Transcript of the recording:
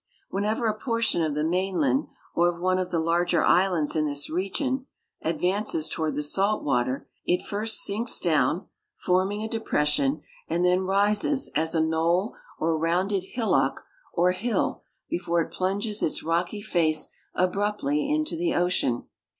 Whenever a portion of the mainland or of one of the larger islands in this region advances toward the salt water it first 16 ALL AROUM) THE BA Y OF PASSAMAQUODDY 17 sinks down, forming a depression, and tlien rises as a knoll or rounded hillock or hill hetbre it plunges its rock}' face abruptly into the ocean.